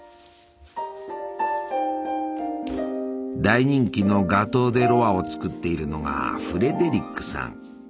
大人気のガトー・デ・ロワを作っているのがフレデリックさん。